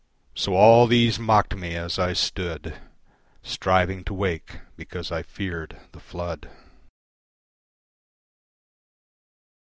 So all these mocked me as I stood Striving to wake because I feared the flood.